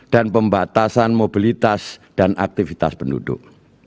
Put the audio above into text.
dan pembatasan mobilitas dan aktivitas penduduk